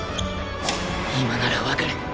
今なら分かる。